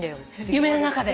夢の中で。